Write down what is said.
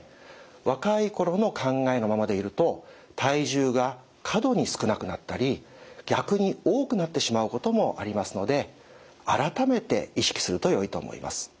若い頃の考えのままでいると体重が過度に少なくなったり逆に多くなってしまうこともありますので改めて意識するとよいと思います。